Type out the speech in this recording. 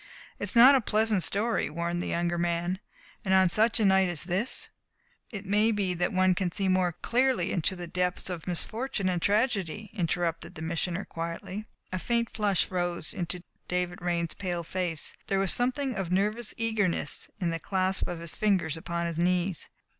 "It is not a pleasant story," warned the younger man, "and on such a night as this " "It may be that one can see more clearly into the depths of misfortune and tragedy," interrupted the Missioner quietly. A faint flush rose into David Raine's pale face. There was something of nervous eagerness in the clasp of his fingers upon his knees.